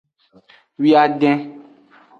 Wiaden.